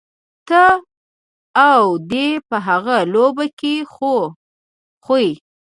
ته او دی په هغه لوبه کي خو خوئ.